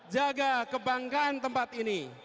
jaga kebanggaan tempat ini